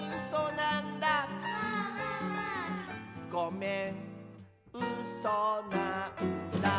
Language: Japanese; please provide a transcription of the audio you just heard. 「ごめんうそなんだ」